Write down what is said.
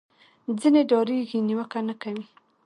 ځینې ډارېږي نیوکه نه کوي